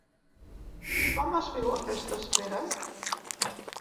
Com és viu aquesta espera?